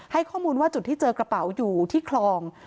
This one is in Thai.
ให้ข้อมูลว่าจุดที่เจอกระเป๋าอยู่ที่คลอง